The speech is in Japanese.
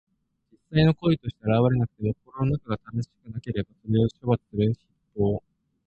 実際の行為として現れなくても、心の中が正しくなければ、それを処罰する筆法。